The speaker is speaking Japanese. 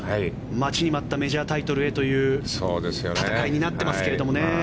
待ちに待ったメジャータイトルへという戦いになってますけれどもね。